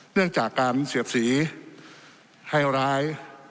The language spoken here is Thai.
เรื่องจากการเสียดสีให้ร้าย